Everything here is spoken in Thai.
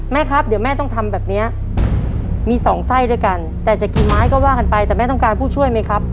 ครับเดี๋ยวแม่ต้องทำแบบเนี้ยมีสองไส้ด้วยกันแต่จะกี่ไม้ก็ว่ากันไปแต่แม่ต้องการผู้ช่วยไหมครับ